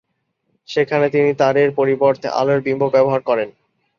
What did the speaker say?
সেখানে তিনি তারের পরিবর্তে আলোর বিম্ব ব্যবহার করেন।